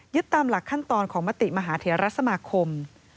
๑ยึดตามหลักขั้นตอนของมติมหาเทียรัฐสมาคม